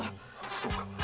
そうか。